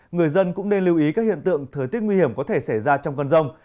người dân cũng nên lưu ý các hiện tượng thời tiết nguy hiểm có thể xảy ra trong cơn rông